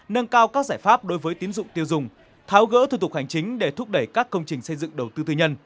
nâng cao các giải pháp đối với tín dụng tiêu dùng tháo gỡ thủ tục hành chính để thúc đẩy các công trình xây dựng đầu tư tư nhân